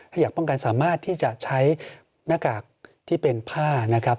ถ้าอยากป้องกันสามารถที่จะใช้หน้ากากที่เป็นผ้านะครับ